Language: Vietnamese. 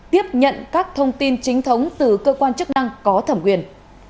tiếp nhận các thông tin chính thống từ cơ quan chức năng có thẩm quyền